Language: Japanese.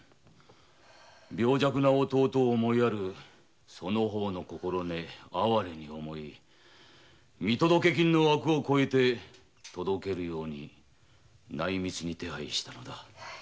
病弱な弟を思いやるその方の心根を哀れに思い見届け金の枠を越えて届けるように内密に手配したのだ。